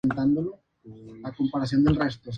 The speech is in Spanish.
Su segundo sencillo, "Stop It Girl", fue aún peor.